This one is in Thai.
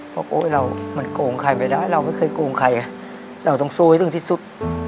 โอ๊ยเรามันโกงใครไม่ได้เราไม่เคยโกงใครเราต้องสู้ให้ถึงที่สุด